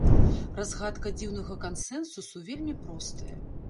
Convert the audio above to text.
Разгадка дзіўнага кансэнсусу вельмі простая.